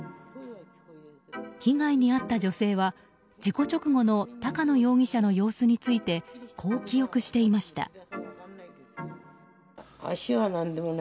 被害に遭った女性は、事故直後の高野容疑者の様子についてこう記憶していました。